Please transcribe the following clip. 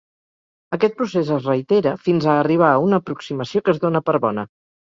Aquest procés es reitera, fins a arribar a una aproximació que es dóna per bona.